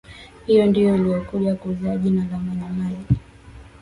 Hiyo ndiyo iliyokuja kuzaa jina la majimaji